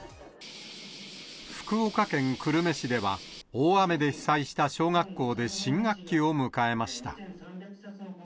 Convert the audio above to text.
福岡県久留米市では、大雨で被災した小学校で新学期を迎えました。